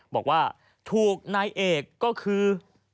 บอกว่าถูกนายเอกก็คือ